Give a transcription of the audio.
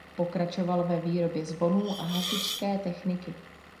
Pokračoval ve výrobě zvonů a hasičské techniky.